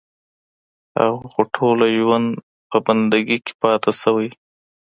هغه خو ټوله ژوند په بندګي كي پــاته سـوى